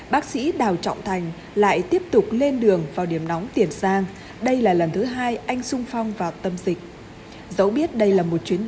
bác sĩ đào trọng thành lại tiếp tục lên đường vào điểm nóng tiền sang đây là lần thứ hai anh sung phong vào tâm dịch